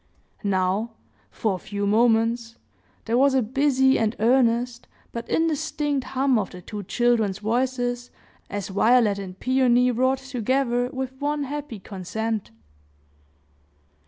Now, for a few moments, there was a busy and earnest, but indistinct hum of the two children's voices, as Violet and Peony wrought together with one happy consent.